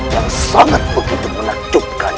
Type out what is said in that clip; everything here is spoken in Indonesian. yang sangat begitu menakjubkan